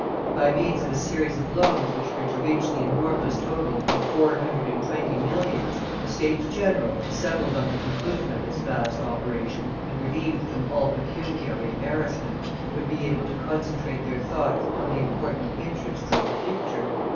By means of a series of loans which were to reach the enormous total of four hundred and twenty millions, the States general, assembled on the conclusion of this vast operation, and relieved from all pecuniary embarrassment, would be able to concentrate their thoughts on the important interests of the future.